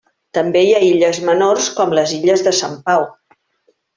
També hi ha illes menors com les Illes de Sant Pau.